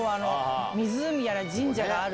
湖やら神社がある。